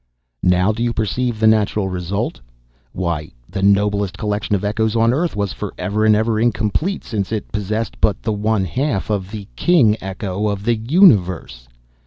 Now, do you perceive the natural result? Why, the noblest collection of echoes on earth was forever and ever incomplete, since it possessed but the one half of the king echo of the universe.